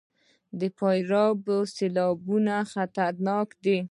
د فاریاب سیلابونه خطرناک دي